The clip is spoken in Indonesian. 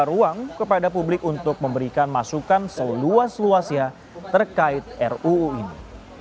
meminta ruang kepada publik untuk memberikan masukan seluas luasnya terkait ruu ini